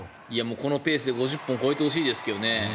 このペースで５０本超えてほしいですけどね。